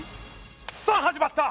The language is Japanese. さあ始まった！